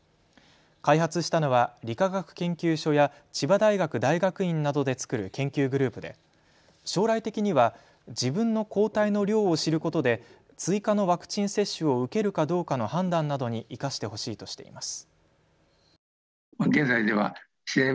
開発したのは理化学研究所や千葉大学大学院などで作る研究グループで将来的には自分の抗体の量を知ることで追加のワクチン接種を受けるかどうかの判断などに生かしてほしいとしています。